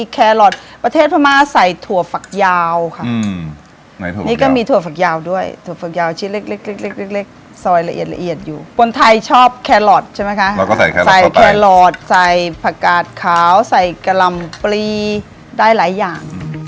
แครอทแครอทใช่ไหมคะใส่แครอทใส่ผักกาดขาวใส่กะลำปลีได้หลายอย่าง